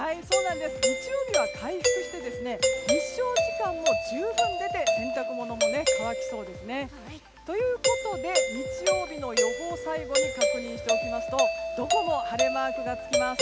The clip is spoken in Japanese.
日曜日は回復して日照時間も十分出て、洗濯物も乾きそうですね。ということで、日曜日の予報最後に確認しておきますとどこも晴れマークがつきます。